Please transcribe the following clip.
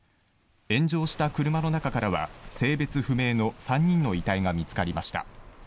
炎上した車の中からは性別不明の３人の遺体が見つかりました。